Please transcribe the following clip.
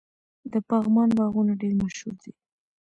د پغمان باغونه ډیر مشهور دي.